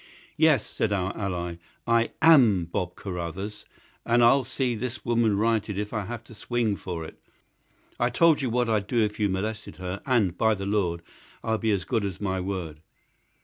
"Yes," said our ally, "I AM Bob Carruthers, and I'll see this woman righted if I have to swing for it. I told you what I'd do if you molested her, and, by the Lord, I'll be as good as my word!"